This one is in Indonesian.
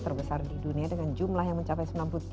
terbesar di dunia dengan jumlah yang mencapai